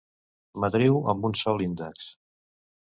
Matriu amb un sol índex.